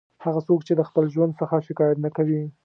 هغه څوک چې د خپل ژوند څخه شکایت نه کوي.